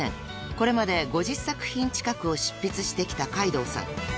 ［これまで５０作品近くを執筆してきた海堂さん］